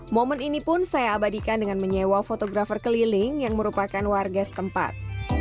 momen ini pun saya abadikan dengan menyewa fotografer keliling yang merupakan warga setempat